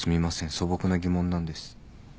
素朴な疑問なんです。